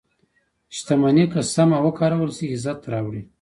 • شتمني که سمه وکارول شي، عزت راوړي.